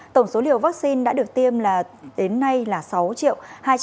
tổng số liều vaccine đã được tiêm đến nay là sáu hai trăm linh ba tám trăm sáu mươi sáu liều